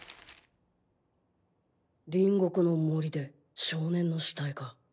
隣国の森で少年の死体か。